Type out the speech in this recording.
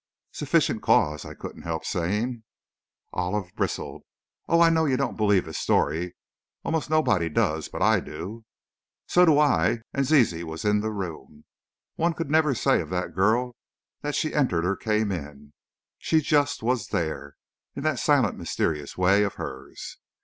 "Sufficient cause!" I couldn't help saying. Olive bristled: "Oh, I know you don't believe his story, almost nobody does, but I do." "So do I!" and Zizi was in the room. One could never say of that girl that she entered or came in, she just was there, in that silent, mysterious way of hers.